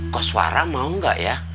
kok suara mau gak ya